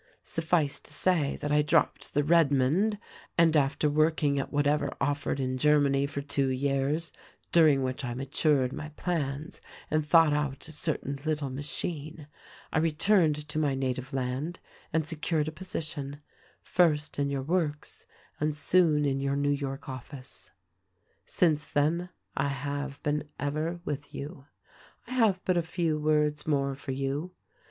"Suffice to say that I dropped the 'Redmond,' and after working at whatever offered in Germany for two years — during which I matured my plans and thought out a certain little machine — I returned to my native land and secured a position, first in your works and soon in your New York office. "Since then I have been ever with you. "I have but a few words more for you.